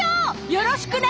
よろしくね！